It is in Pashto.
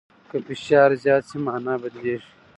که فشار زیات سي، مانا بدلیږي.